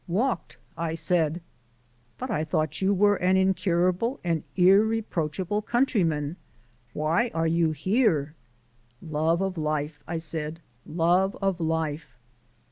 "Walked," I said. "But I thought you were an incurable and irreproachable countryman! Why are you here?" "Love o' life," I said; "love o' life."